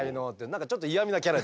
何かちょっと嫌みなキャラ。